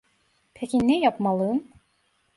Peki ne yapmalıyım?